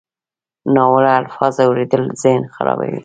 ناوړه الفاظ اورېدل ذهن خرابوي.